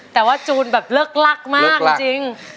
แต่ว่าจูนแบบเลิกลักมากจริง